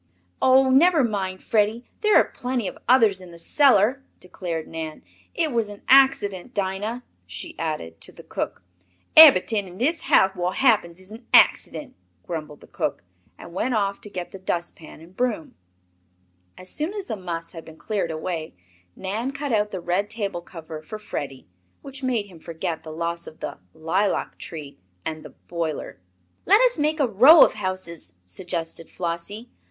"Oh, never mind, Freddie, there are plenty of others in the cellar," declared Nan. "It was an accident, Dinah," she added, to the cook. "Eberyt'ing in dis house wot happens is an accident," grumbled the cook, and went off to get the dust pan and broom. As soon as the muss had been cleared away Nan cut out the red table cover for Freddie, which made him forget the loss of the "lilac tree" and the "boiler." "Let us make a row of houses," suggested Flossie.